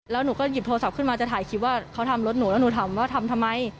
แล้วหนูก็หยิบโทรศัพท์ขึ้นมาจะถ่ายคลิปว่าเขาทำรถหนูแล้วหนูถามว่าทำทำไม